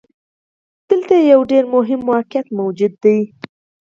دلته يو ډېر مهم واقعيت موجود دی.